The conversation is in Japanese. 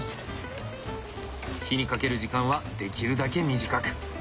火にかける時間はできるだけ短く。